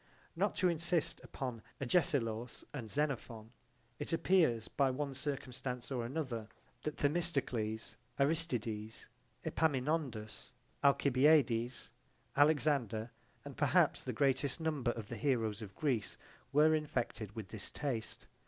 Not to insist upon Agesilaus and Xenophon, it appears by one circumstance or another that Themistocles, Aristides, Epaminondus, Alcibiades, Alexander and perhaps the greatest number of the heroes of Greece were infected with this taste.